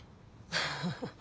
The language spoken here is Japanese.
ハハハ